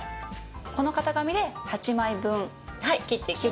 この型紙で８枚分切っていく。